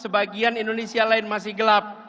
sebagian indonesia lain masih gelap